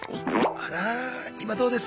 あら今どうです？